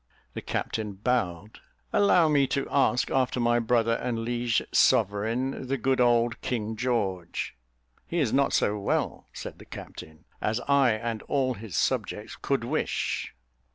The captain bowed. "Allow me to ask after my brother and liege sovereign, the good old King George." "He is not so well," said the captain, "as I and all his subjects could wish."